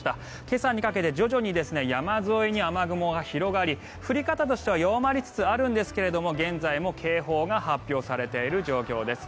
今朝にかけて徐々に山沿いに雨雲が広がり降り方としては弱まりつつあるんですが現在も警報が発表されている状況です。